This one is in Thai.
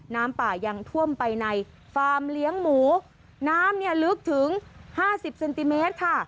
น้ำป่ายังท่วมไปในฟาร์มเลี้ยงหมูน้ำเนี่ยลึกถึงห้าสิบเซนติเมตรค่ะ